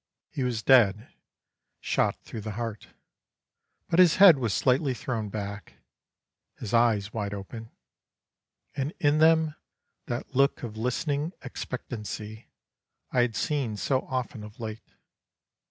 He was dead, shot through the heart; but his head was slightly thrown back, his eyes wide open, and in them that look of listening expectancy I had seen so often of late.